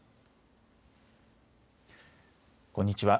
こんにちは。